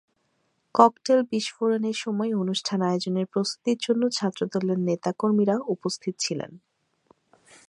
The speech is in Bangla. ককটেল বিস্ফোরণের সময় অনুষ্ঠান আয়োজনের প্রস্তুতির জন্য ছাত্রদলের নেতা কর্মীরা উপস্থিত ছিলেন।